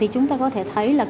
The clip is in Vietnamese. chúng ta có thể thấy là